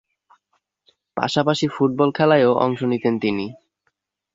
পাশাপাশি ফুটবল খেলায়ও অংশ নিতেন তিনি।